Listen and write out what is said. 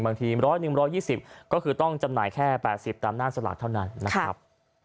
๑๐๑๒๐ก็คือต้องจำหน่ายแค่๘๐ตามหน้าสลากเท่านั้นนะครับ